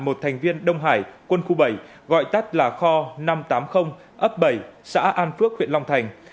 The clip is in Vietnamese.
một thành viên đông hải quân khu bảy gọi tắt là kho năm trăm tám mươi ấp bảy xã an phước huyện long thành